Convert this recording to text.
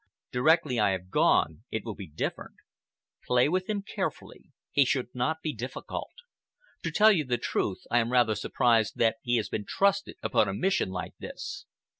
Directly I have gone it will be different. Play with him carefully. He should not be difficult. To tell you the truth, I am rather surprised that he has been trusted upon a mission like this.